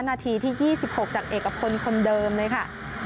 นาทีที่๒๖จากเอกพลคนเดิมเลยค่ะ